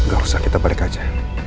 gak usah kita balik aja